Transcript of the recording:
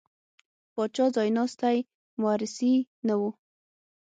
پاچا ځایناستی مورثي نه و.